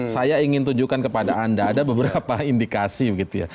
saya ingin tunjukkan kepada anda ada beberapa indikasi begitu ya